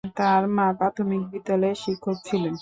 তার মা প্রাথমিক বিদ্যালয়ের শিক্ষক ছিলেন।